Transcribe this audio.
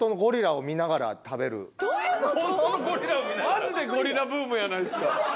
マジでゴリラブームやないですか。